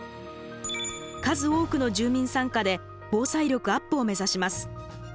数多くの住民参加で防災力アップを目指します。